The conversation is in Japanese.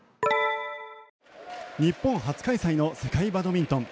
日本初開催の世界バドミントン。